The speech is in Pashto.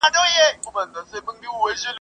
تر مړه زمري، ژوندى گيدړ لا ښه دئ.